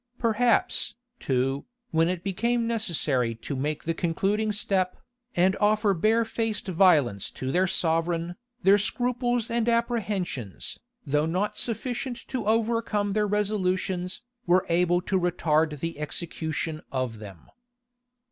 Perhaps, too, when it became necessary to make the concluding step, and offer barefaced violence to their sovereign, their scruples and apprehensions, though not sufficient to overcome their resolutions, were able to retard the execution of them.